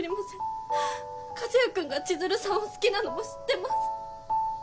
和也くんが千鶴さんを好きなのも知ってます